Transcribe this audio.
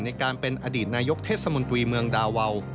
ในการเป็นอดีตนายกเทศมนตรีเมืองดาวาว